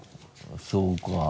そうか。